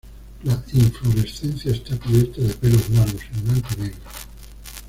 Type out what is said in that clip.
La inflorescencia está cubierta de pelos largos en blanco y negro.